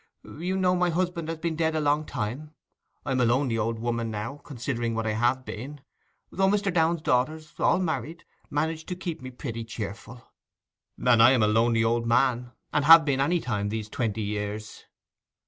'You know my husband has been dead a long time? I am a lonely old woman now, considering what I have been; though Mr. Downe's daughters—all married—manage to keep me pretty cheerful.' 'And I am a lonely old man, and have been any time these twenty years.